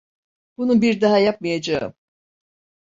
Bunu bir daha yapmayacağım.